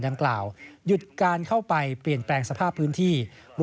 หยุดการเข้าไปเปลี่ยนเปลี่ยนพื้นที่